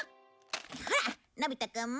ほらのび太くんも。